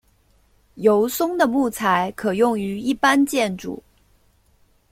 油松的木材可用于一般建筑。